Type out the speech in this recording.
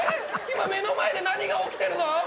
今目の前で何が起きてるの？